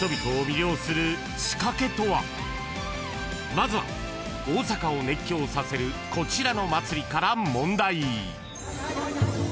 ［まずは大阪を熱狂させるこちらの祭りから問題］